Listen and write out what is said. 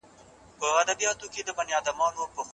پانګونه باید په ګټورو برخو کي ترسره سي.